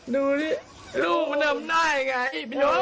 ดูนี่ลูกมันทำได้ไงพี่นุ๊ก